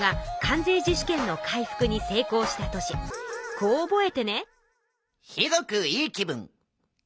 こう覚えてね！